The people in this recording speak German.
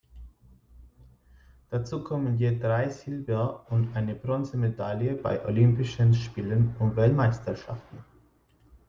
Dazu kommen je drei Silber- und eine Bronzemedaille bei Olympischen Spielen und Weltmeisterschaften.